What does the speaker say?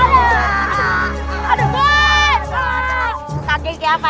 kamu tarik apa